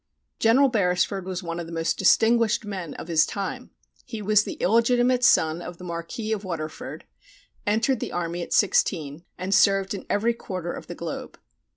General Beresford was one of the most distinguished men of his time. He was the illegitimate son of the Marquis of Waterford, entered the army at 16, and served in every quarter of the globe.